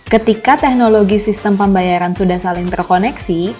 ketika teknologi sistem pembayaran sudah saling terkoneksi